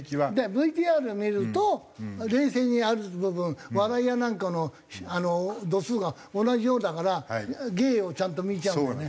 ＶＴＲ見ると冷静である部分笑いやなんかの度数が同じようだから芸をちゃんと見ちゃうんだよね。